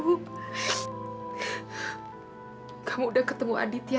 kamu udah ketemu aditya